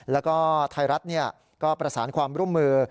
แล้วก็ไทยรัฐก็ประสานความร่วมมือ